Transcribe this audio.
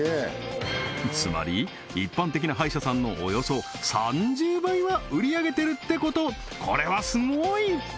つまり一般的な歯医者さんのおよそ３０倍は売り上げてるってことこれはすごい！